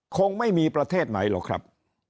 คงไม่มีประเทศไหนหรอกครับ